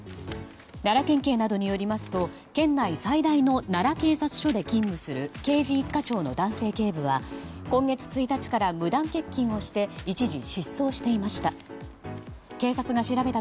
奈良県警などによりますと県内最大の奈良警察署で勤務する刑事１課長の男性警部は今月１日から無断欠勤をして一時、失踪していました。